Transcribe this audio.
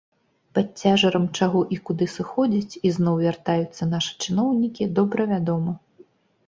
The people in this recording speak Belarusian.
Пад цяжарам чаго і куды сыходзяць і зноў вяртаюцца нашы чыноўнікі, добра вядома.